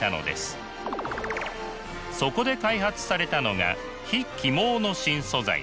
そこで開発されたのが非起毛の新素材。